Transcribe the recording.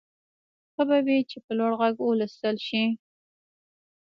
ښه به وي چې په لوړ غږ ولوستل شي.